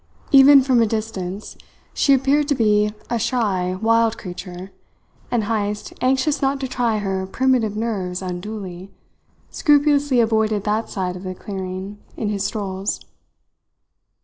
Even from a distance she appeared to be a shy, wild creature, and Heyst, anxious not to try her primitive nerves unduly, scrupulously avoided that side of the clearing in his strolls.